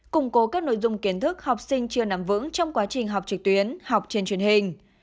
củng cố các nội dung kiến thức học sinh chưa nắm vững trong quá trình học trực tuyến học trên truyền hình